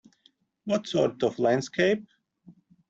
What sort of landscape?